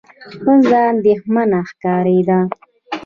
ښځه اندېښمنه ښکارېده.